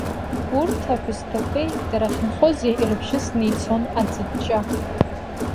Урҭ аҳәысҭақәеи дара ахьынхози ирыбжьысны ицон аӡыҷҷа.